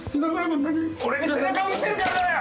俺に背中を見せるからだよ！